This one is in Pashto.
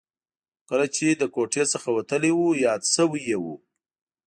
خو کله چې له کوټې څخه وتلی و یاد شوي یې و.